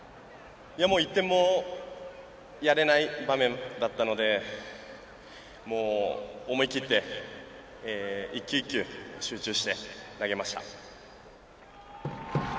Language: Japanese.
もう１点もやれない場面だったのでもう、思い切って一球一球集中して投げました。